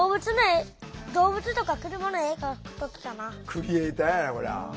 クリエーターやなこりゃ。